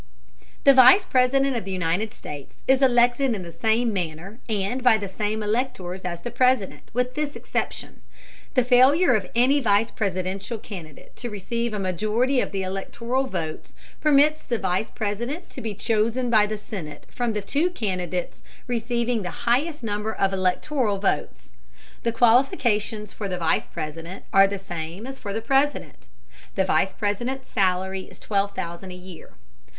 The Vice President of the United States is elected in the same manner and by the same electors as the President, with this exception: The failure of any Vice Presidential candidate to receive a majority of the electoral votes permits the Vice President to be chosen by the Senate from the two candidates receiving the highest number of electoral votes. The qualifications for the Vice President are the same as for the President. The Vice Presidents salary is $12,000 a year.